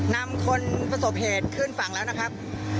นำคนประสบเหตุขึ้นฝั่งแล้วนะครับ